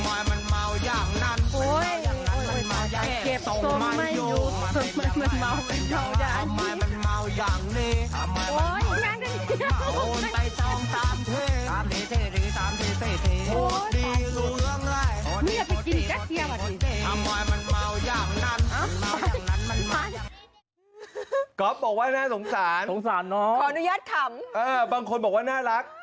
อ่าววบางคนบอกว่าน่ารัก